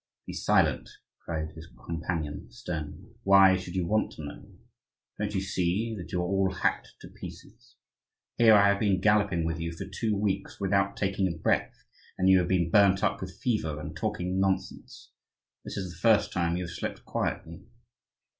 "Be silent!" cried his companion sternly. "Why should you want to know? Don't you see that you are all hacked to pieces? Here I have been galloping with you for two weeks without taking a breath; and you have been burnt up with fever and talking nonsense. This is the first time you have slept quietly.